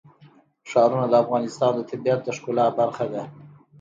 ښارونه د افغانستان د طبیعت د ښکلا برخه ده.